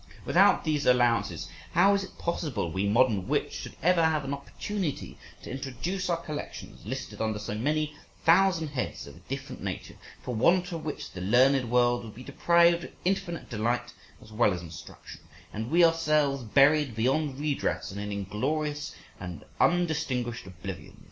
Without these allowances how is it possible we modern wits should ever have an opportunity to introduce our collections listed under so many thousand heads of a different nature, for want of which the learned world would be deprived of infinite delight as well as instruction, and we ourselves buried beyond redress in an inglorious and undistinguished oblivion?